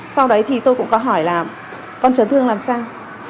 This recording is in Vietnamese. sau đấy thì tôi cũng có hỏi là con chấn thương làm sao